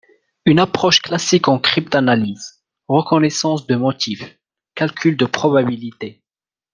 Une approche classique en cryptanalyse. Reconnaissance de motifs, calcul de probabilité.